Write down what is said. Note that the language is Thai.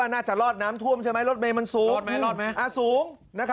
อันนี้ไม่รู้ว่ารถเรือนะคะ